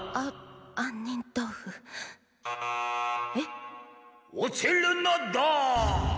えっ⁉おちるのだ！